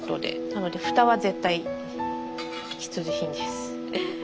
なのでふたは絶対必需品です。